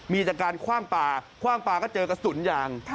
มีจากการคว่างปลาคว่างปลาก็เจอกระสุนยาง